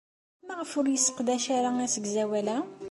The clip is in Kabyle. Maɣef ur yesseqdac ara asegzawal-a?